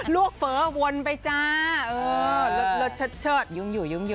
ลวกเฟ้อวนไปจ้าเออลดเฉิดยุ่งอยู่